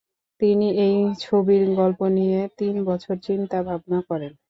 তিনি এই ছবির গল্প নিয়ে তিন বছর চিন্তা-ভাবনা করেন।